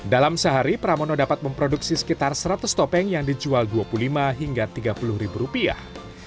dalam sehari pramono dapat memproduksi sekitar seratus topeng yang dijual dua puluh lima hingga tiga puluh ribu rupiah